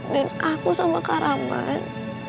dan aku sama karaman